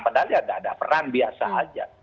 padahal ya tidak ada perang biasa saja